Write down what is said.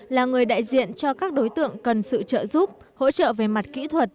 là người đại diện cho các đối tượng cần sự trợ giúp hỗ trợ về mặt kỹ thuật